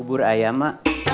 bubur ayam ma